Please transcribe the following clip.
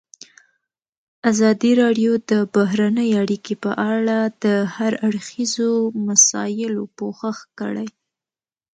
ازادي راډیو د بهرنۍ اړیکې په اړه د هر اړخیزو مسایلو پوښښ کړی.